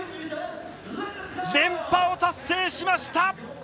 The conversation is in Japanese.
連覇を達成しました。